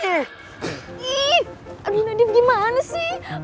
eh aduh nadiem gimana sih